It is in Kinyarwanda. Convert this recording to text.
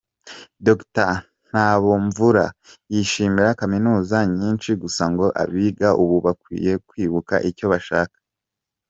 Dr Ntabomvura yishimira Kaminuza nyinshi gusa ngo abiga ubu bakwiye kwibuka icyo bashaka.